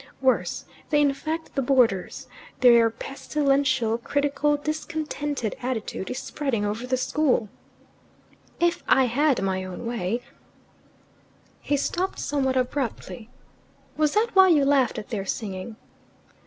Worse. They infect the boarders. Their pestilential, critical, discontented attitude is spreading over the school. If I had my own way " He stopped somewhat abruptly. "Was that why you laughed at their singing?"